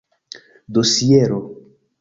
dosiero